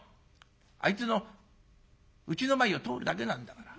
あいつのうちの前を通るだけなんだから。